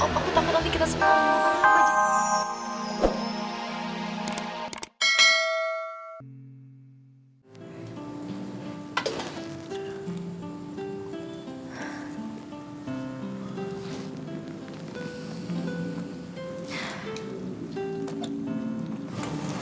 om aku takut nanti kita sempat